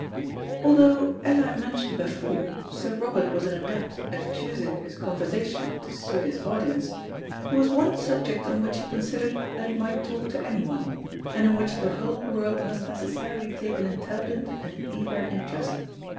Although, as I have mentioned before, Sir Robert was an adept at choosing his conversation to suit his audience, there was one subject on which he considered that he might talk to anyone, and in which the whole world must necessarily take an intelligent and eager interest.